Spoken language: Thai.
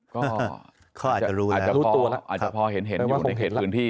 ก็เขาอาจจะรู้อาจจะรู้ตัวแล้วอาจจะพอเห็นอยู่ในเขตพื้นที่